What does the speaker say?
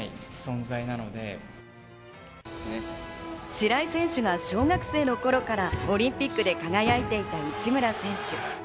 白井選手が小学生の頃からオリンピックで輝いていた内村選手。